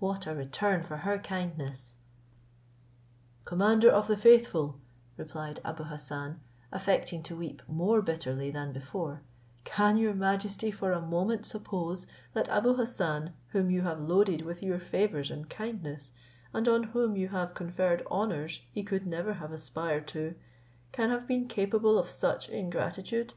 What a return for her kindness!" "Commander of the faithful," replied Abou Hassan, affecting to weep more bitterly than before, "can your majesty for a moment suppose that Abou Hassan, whom you have loaded with your favours and kindness, and on whom you have conferred honours he could never have aspired to, can have been capable of such ingratitude?